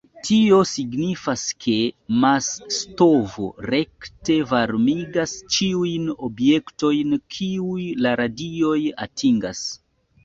Tio signifas, ke mas-stovo rekte varmigas ĉiujn objektojn, kiujn la radioj atingas.